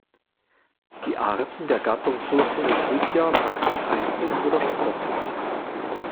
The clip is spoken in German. Die Arten der Gattung "Sulcorebutia" wachsen einzeln oder sprossend.